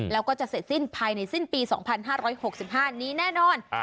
แล้วก็จะเสร็จสิ้นภายในสิ้นปี๒๕๖๕นี้แน่นอน